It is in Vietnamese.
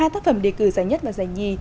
ba tác phẩm đề cử giải nhất và giải nhì